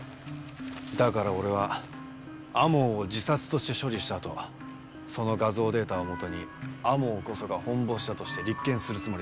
だから俺は天羽を自殺として処理したあとその画像データを元に天羽こそがホンボシだとして立件するつもりだった。